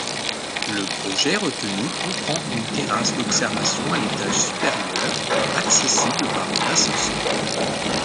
Le projet retenu comprend une terrasse d'observation à l'étage supérieur, accessible par un ascenseur.